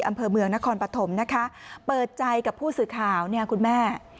อำเภอเมืองนครปฐมนะคะเปิดใจกับผู้สื่อข่าวเนี่ยคุณแม่